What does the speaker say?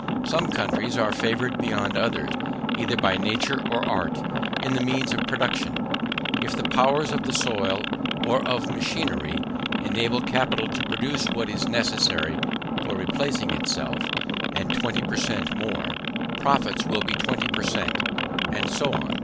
Some countries are favoured beyond others, either by nature or art, in the means of production. If the powers of the soil, or of machinery, enable capital to produce what is necessary for replacing itself, and twenty per cent more, profits will be twenty per cent; and so on.